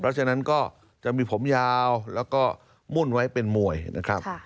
เพราะฉะนั้นก็จะมีผมยาวแล้วก็มุ่นไว้เป็นมวยนะครับ